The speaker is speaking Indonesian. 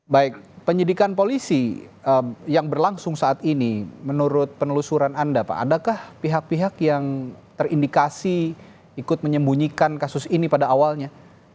baik penyidikan polisi yang berlangsung saat ini menurut penelusuran anda pak adakah pihak pihak yang terindikasi ikut menyembunyikan kasus ini pada awalnya